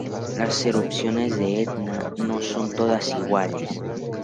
Las erupciones del Etna no son todas iguales.